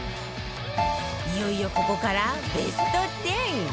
いよいよここからベスト１０